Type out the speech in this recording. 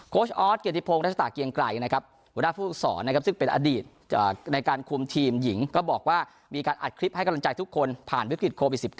ออสเกียรติพงศ์รัชตาเกียงไกรนะครับหัวหน้าผู้ฝึกศรซึ่งเป็นอดีตในการคุมทีมหญิงก็บอกว่ามีการอัดคลิปให้กำลังใจทุกคนผ่านวิกฤตโควิด๑๙